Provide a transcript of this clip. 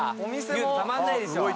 裕翔たまんないでしょ。